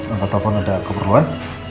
angkat telpon ada keperluan